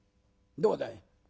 どうだい？